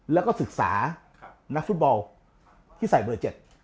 แล้วก็ศึกษานักฟุตบอลที่ใส่เบอร์๗